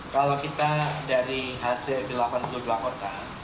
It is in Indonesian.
kalau kita dari hcp delapan puluh dua kota